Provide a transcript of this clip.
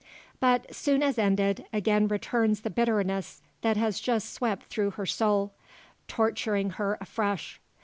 But, soon as ended, again returns the bitterness that has just swept through her soul torturing her afresh.